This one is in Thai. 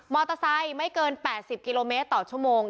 มอเตอร์ไซต์ไม่เกิน๘๐กิโลเมตรต่อชั่วโมง